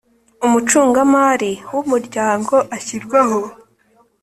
Umucungamari w umuryango ashyirwaho